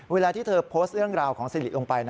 เวลาที่เธอโพสต์เรื่องราวของสิริลงไป